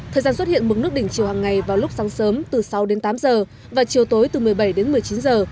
thời gian xuất hiện mức nước đỉnh chiều hàng ngày vào lúc sáng sớm từ sáu đến tám giờ và chiều tối từ một mươi bảy đến một mươi chín giờ